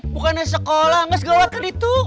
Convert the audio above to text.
bukannya sekolah ngga segawat kan itu